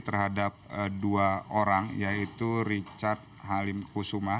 terhadap dua orang yaitu richard halim kusuma